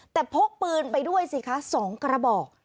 แต่พกปืนไปด้วยสิคะ๒กระบอก